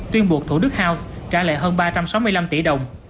tuyên buộc thủ đức house trả lệ hơn ba trăm sáu mươi năm tỷ đồng